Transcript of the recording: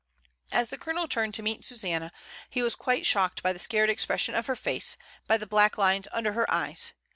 As the Colonel turned to meet Susanna, he was quite shocked by the scared expression of her face, by the black lines under her eyes.